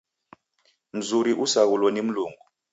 Mzuri usaghulo ni Mlungu.